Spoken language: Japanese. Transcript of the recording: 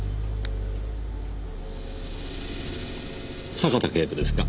坂田警部ですか？